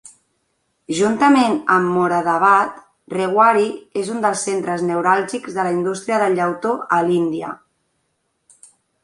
Juntament amb Moradabad, Rewari és un dels centres neuràlgics de la indústria del llautó a l'Índia.